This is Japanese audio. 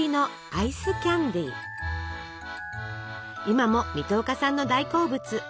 今も水戸岡さんの大好物！